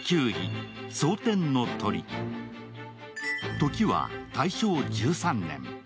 時は大正１３年。